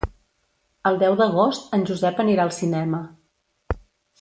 El deu d'agost en Josep anirà al cinema.